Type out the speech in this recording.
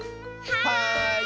はい！